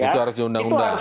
itu harus diundang undang